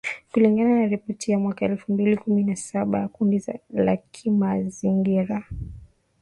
kulingana na ripoti ya mwaka elfu mbili kumi na saba ya kundi la kimazingira